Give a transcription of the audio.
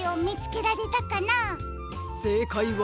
せいかいは。